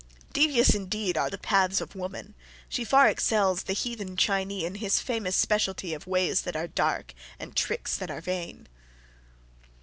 Devious indeed are the paths of woman. She far excels the "Heathen Chinee" in his famous specialty of "ways that are dark and tricks that are vain."